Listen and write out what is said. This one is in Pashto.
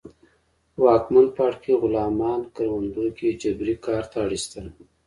واکمن پاړکي غلامان کروندو کې جبري کار ته اړ اېستل